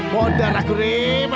mau darah aku rep